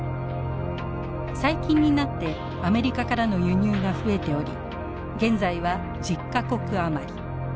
最近になってアメリカからの輸入が増えており現在は１０か国余り。